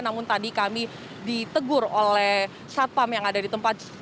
namun tadi kami ditegur oleh satpam yang ada di tempat